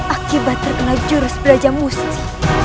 akibat terkena jurus belajar musti